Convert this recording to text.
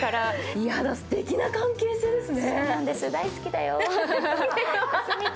いやだ、すてきな関係性ですね。